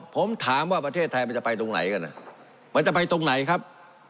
ผมถามว่าประเทศไทยมันจะไปตรงไหนกันมันจะไปตรงไหนครับ